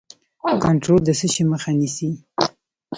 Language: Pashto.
کنټرول د څه شي مخه نیسي؟